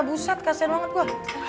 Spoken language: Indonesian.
buset kasian banget gua